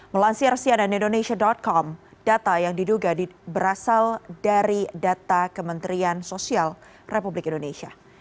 melansir cnn indonesia com data yang diduga berasal dari data kementerian sosial republik indonesia